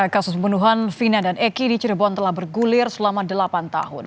kasus pembunuhan vina dan eki di cirebon telah bergulir selama delapan tahun